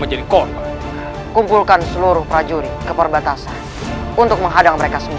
menjadi korban kumpulkan seluruh prajurit keperbatasan untuk menghadang mereka sendiri